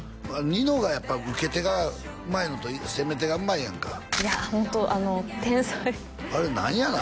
ニノがやっぱ受け手がうまいのと攻め手がうまいやんかいやホント天才あれ何やの？